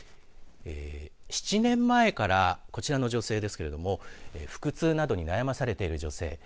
７年前からこちらの女性ですけれども腹痛などに悩まされている女性。